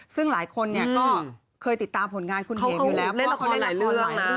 ซึ่งหลายคนเนี่ยก็เคยติดตามผลงานคุณเองอยู่แล้วเพราะเขาเล่นละครหลายเรื่อง